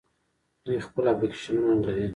دوی خپل اپلیکیشنونه لري.